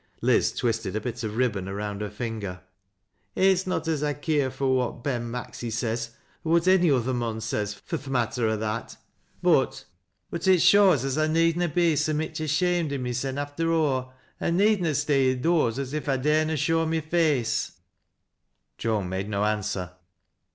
Liz twisted a bit of ribbon around her finger. " It's not as I care fur what Ben Maxy says or what ony ((the: mon says, fur th' matter g' that, but — but it six wi HIBBONa. 137 K6 I need na be so mich ashamed o' mysen after aw, an' need na stay i'doors as if I dare na show my face." Joan made no answer.